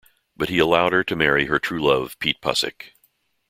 But he allowed her to marry her true love Pete Pussick.